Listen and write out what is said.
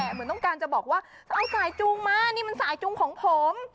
เหมือนต้องการจะบอกว่าจะเอาสายจูงมานี่มันสายจูงของผม